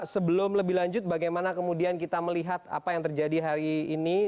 sebelum lebih lanjut bagaimana kemudian kita melihat apa yang terjadi hari ini